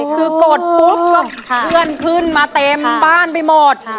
คือกดปุ๊บก็เพื่อนขึ้นมาเต็มบ้านไปหมด